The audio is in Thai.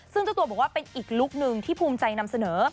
ซึ่งเจ้าตัวบอกว่าเป็นอีกลุคนึงที่ภูมิใจนำเสนอ